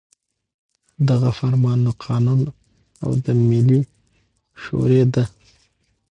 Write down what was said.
دغه فرمان له قانون او د ملي شـوري د